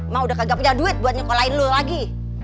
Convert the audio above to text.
ma udah kagak punya duit buat nyokolain lu lagi